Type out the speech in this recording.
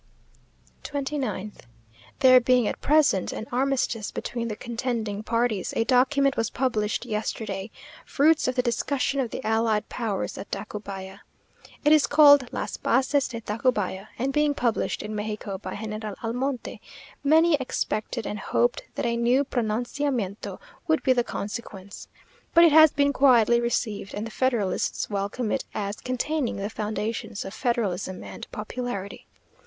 29th. There being at present an armistice between the contending parties, a document was published yesterday, fruits of the discussion of the allied powers at Tacubaya. It is called "las bases de Tacubaya," and being published in Mexico by General Almonte, many expected and hoped that a new pronunciamiento would be the consequence; but it has been quietly received, and the federalists welcome it as containing the foundations of federalism and popularity.